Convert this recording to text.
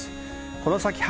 この先は